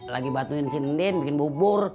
lagi bantuin sindin bikin bubur